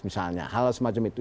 misalnya hal semacam itu